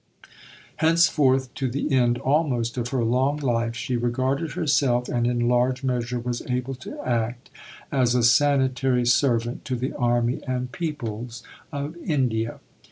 Henceforth, to the end almost of her long life, she regarded herself, and in large measure was able to act, as a sanitary servant to the army and peoples of India.